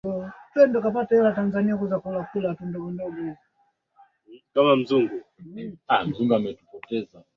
Hata hivyo Jacob Matata alijua hakuwa na muda wa kusikilizia maumivu